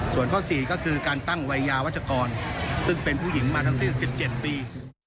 ส่วนข้อ๔ก็คือการตั้งวัยยาวัชกรซึ่งเป็นผู้หญิงมาทั้งสิ้น๑๗ปี